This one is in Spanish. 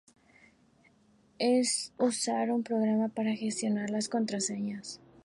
es usar un programa para gestionar las contraseñas